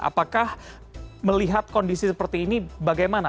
apakah melihat kondisi seperti ini bagaimana